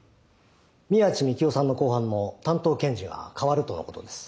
宮地幹雄さんの公判の担当検事が替わるとのことです。